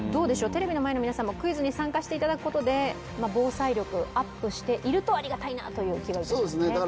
テレビの前の皆さんもクイズに参加していただくことで防災力アップしているとありがたいなという気がしますそうですね